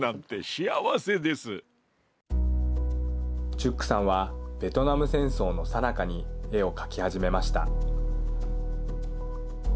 チュックさんはベトナム戦争のさなかに絵を描き始めました。